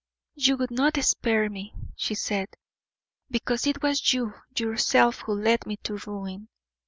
"You would not spare me," she said, "because it was you yourself who led me to ruin."